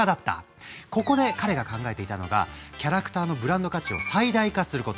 ここで彼が考えていたのがキャラクターのブランド価値を最大化すること。